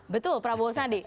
betul prabowo sandi